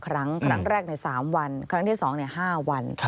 ครั้งครั้งแรกใน๓วันครั้งที่๒๕วัน